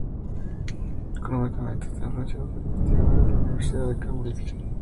Económicamente, está influenciado por investigadores de la Universidad de Cambridge.